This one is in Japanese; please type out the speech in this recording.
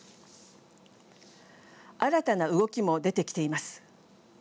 新たな動きも出てきています。